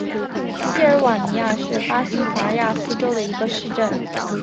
锡尔瓦尼亚是巴西戈亚斯州的一个市镇。